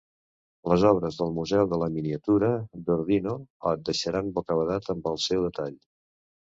Les obres del Museu de la Miniatura d’Ordino et deixaran bocabadat amb el seu detall.